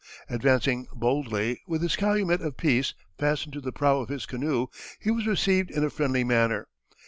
Advancing boldly, with his calumet of peace fastened to the prow of his canoe, he was received in a friendly manner.